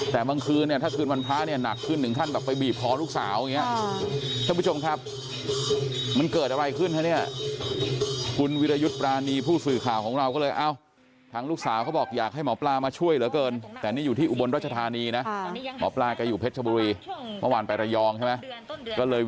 แต่ก็แบบด้งนั่งถึงขึ้นมาแล้วก็